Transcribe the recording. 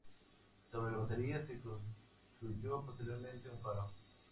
Sobre la batería se construyó posteriormente un faro.